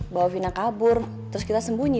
bawa fina kabur terus kita sembunyi